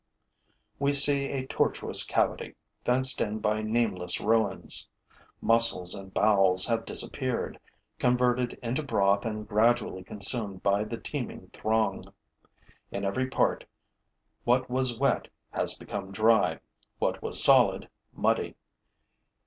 We see a tortuous cavity, fenced in by nameless ruins. Muscles and bowels have disappeared, converted into broth and gradually consumed by the teeming throng. In every part, what was wet has become dry, what was solid muddy.